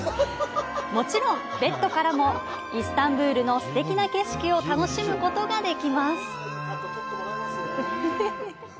もちろんベッドからもイスタンブルのすてきな景色を楽しむことができます。